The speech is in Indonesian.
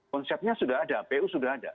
konsepnya sudah ada pu sudah ada